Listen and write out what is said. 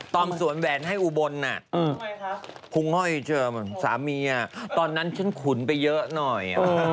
ตอนสวนแหวนให้อุบลพุงห้อยเจอเหมือนสามีตอนนั้นฉันขุนไปเยอะหน่อย